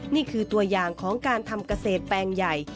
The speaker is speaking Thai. นี่คือตัวอย่างของการทำเกษตรแปลงใหญ่